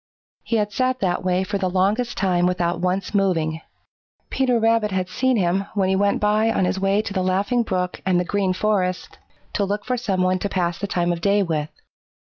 He had sat that way for the longest time without once moving. Peter Rabbit had seen him when he went by on his way to the Laughing Brook and the Green Forest to look for some one to pass the time of day with.